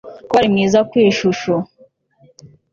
ko wari mwiza ku ishusho